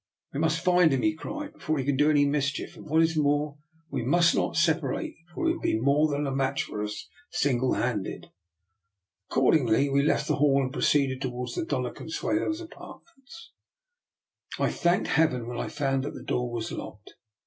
" We must find him,*' he cried, " before he can do any mischief, and what is more, we must not separate, for he would be more than a match for us single handed." Accordingly we left the hall and proceed ed towards the Dona Consuelo's apartments. DR. NIKOLA'S EXPERIMENT. 301 I thanked Heaven when I found that the door was locked.